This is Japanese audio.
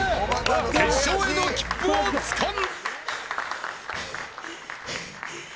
決勝への切符をつかむ。